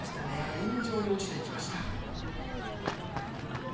ライン上に落ちていきました。